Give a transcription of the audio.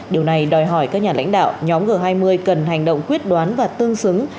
điều này đòi hỏi các nhà lãnh đạo nhóm g hai mươi cần hành động quyết đoán và tương xứng